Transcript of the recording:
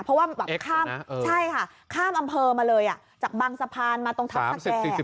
เพราะว่าแบบข้ามใช่ค่ะข้ามอำเภอมาเลยจากบางสะพานมาตรงทัพสแก่